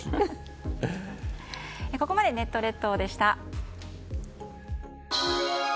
ここまでネット列島でした。